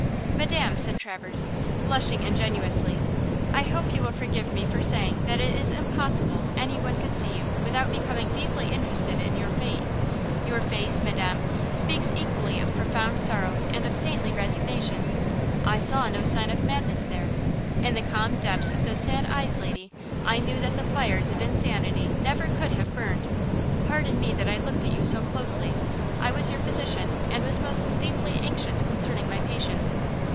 "Madam," said Traverse, blushing ingenuously, "I hope you will forgive me for saying that it is impossible any one could see you without becoming deeply interested in your fate. Your face, Madam, speaks equally of profound sorrows and of saintly resignation. I saw no sign of madness there. In the calm depths of those sad eyes, lady, I knew that the fires of insanity never could have burned. Pardon me that I looked at you so closely; I was your physician, and was most deeply anxious concerning my patient."